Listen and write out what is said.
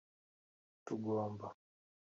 Tugomba